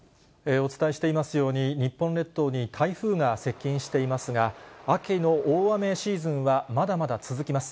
お伝えしていますように、日本列島に台風が接近していますが、秋の大雨シーズンはまだまだ続きます。